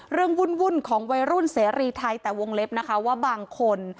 วุ่นของวัยรุ่นเสรีไทยแต่วงเล็บนะคะว่าบางคน